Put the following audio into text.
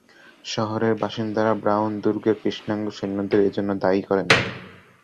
শহরের বাসিন্দারা ব্রাউন দুর্গের কৃষ্ণাঙ্গ সৈন্যদের এজন্য দায়ী করেন।